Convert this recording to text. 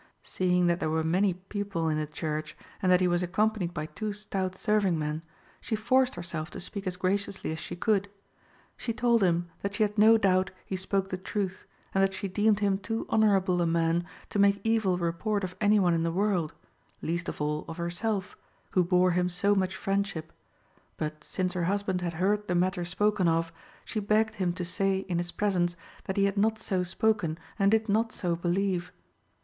Seeing that there were many people in the church, and that he was accompanied by two stout serving men, she forced herself to speak as graciously as she could. She told him that she had no doubt he spoke the truth, and that she deemed him too honourable a man to make evil report of any one in the world; least of all of herself, who bore him so much friendship; but since her husband had heard the matter spoken of, she begged him to say in his presence that he had not so spoken and did not so believe.